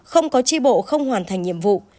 không có tri bộ không hoàn thành nhiệm vụ